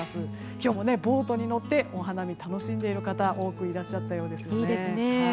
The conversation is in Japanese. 今日もボートに乗ってお花見を楽しんでいる方多くいらっしゃったようです。